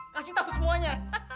kasih tau semuanya